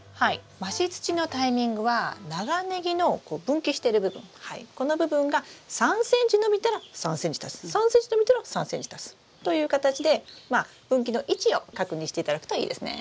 増し土のタイミングは長ネギの分岐してる部分この部分が３ｃｍ伸びたら３ｃｍ足す３ｃｍ伸びたら３ｃｍ足すという形で分岐の位置を確認していただくといいですね。